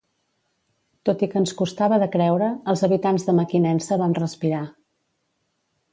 Tot i que ens costava de creure, els habitants de Mequinensa vam respirar.